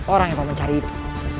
orang yang paman cari itu